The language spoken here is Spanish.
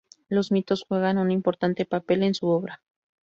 Los mitos juegan un importante papel en su obra.